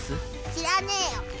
知らねぇよ。